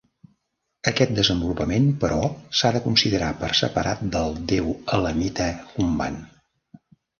Aquest desenvolupament, però, s'ha de considerar per separat del déu elamita Humban.